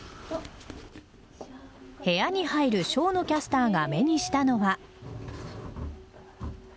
部屋に入る生野キャスターが目にしたのは。